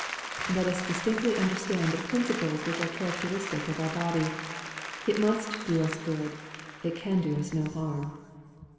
Let us distinctly understand the principles which are characteristic of our body. It must do us good ; it can do us no harm.